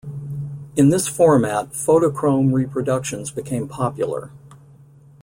In this format, photochrom reproductions became popular.